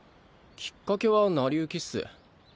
きっかけは成り行きっす。